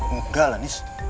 enggak lah nis